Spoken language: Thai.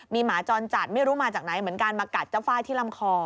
มีหมาจรจัดไม่รู้มาจากไหนเหมือนกันมากัดเจ้าฝ้ายที่ลำคอ